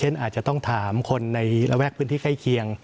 แล้วก็ถามคนในระแวกพื้นที่ใกล้เคียง